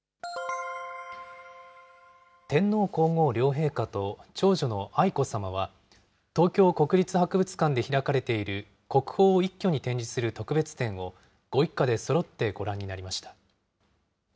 天皇皇后両陛下と長女の愛子さまは、東京国立博物館で開かれている国宝を一挙に展示する特別展を、ご一家でそろってご覧になりました。